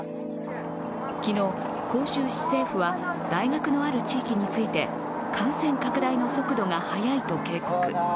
昨日、広州市政府は大学のある地域について感染拡大の速度が速いと警告。